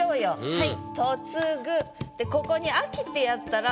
はい。